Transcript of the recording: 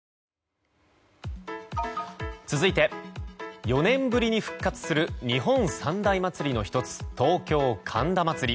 続いて、４年ぶりに復活する日本三大祭りの１つ東京・神田祭。